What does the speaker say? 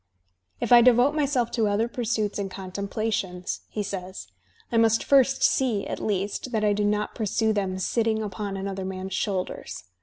"If I devote myself to other pursuits and contemplations,'' he says, "I must first see, at least, that I do not pursue them sitting upon another man's shoulders.